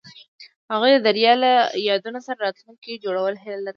هغوی د دریا له یادونو سره راتلونکی جوړولو هیله لرله.